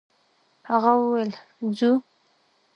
هغه وويل: «ځو!»